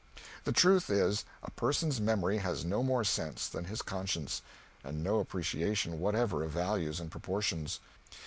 The truth is, a person's memory has no more sense than his conscience, and no appreciation whatever of values and proportions.